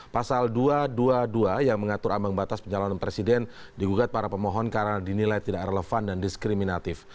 pasal dua ratus dua puluh dua yang mengatur ambang batas pencalonan presiden digugat para pemohon karena dinilai tidak relevan dan diskriminatif